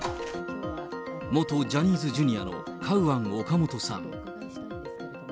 元ジャニーズＪｒのカウアン・オカモトさん。